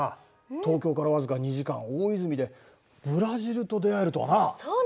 東京から僅か２時間大泉でブラジルと出会えるとはな！